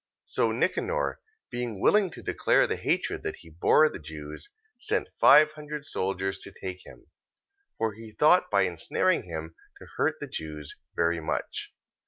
14:39. So Nicanor being willing to declare the hatred that he bore the Jews, sent five hundred soldiers to take him. 14:40. For he thought by ensnaring him to hurt the Jews very much.